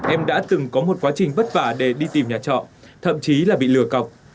em đã từng có một quá trình vất vả để đi tìm nhà trọ thậm chí là bị lừa cọc